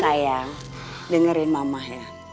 sayang dengerin mama ya